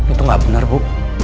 itu nggak benar bu